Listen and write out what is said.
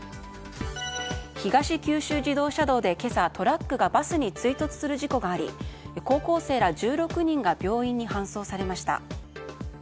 東九州自動車道で今朝トラックがバスに追突する事故があり高校生ら１６人が病院に搬送されました。